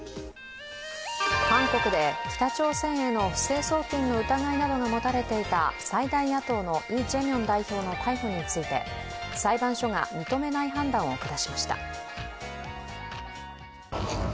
韓国で北朝鮮への不正送金の疑いなどが持たれていた最大野党のイ・ジェミョン代表の逮捕について裁判所が認めない判断を下しました。